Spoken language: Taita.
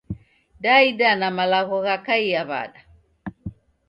Da idana malagho ghakaia wada?